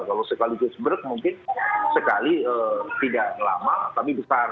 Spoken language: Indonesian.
kalau sekali cus beruk mungkin sekali tidak lama tapi besar